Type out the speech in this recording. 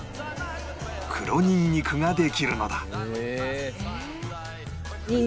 黒ニンニクができるのだ